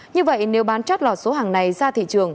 như vậy nếu bán chót lọt số hàng này ra thị trường